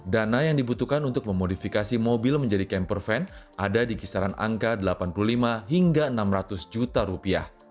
dana yang dibutuhkan untuk memodifikasi mobil menjadi camper van ada di kisaran angka delapan puluh lima hingga enam ratus juta rupiah